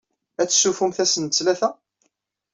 Ad testufumt ass n ttlata?